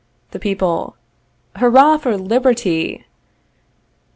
The People. Hurrah for LIBERTY!